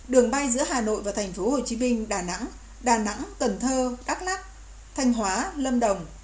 đường bay giữa hà nội và thành phố hồ chí minh đà nẵng đà nẵng cần thơ đắk lắk thanh hóa lâm đồng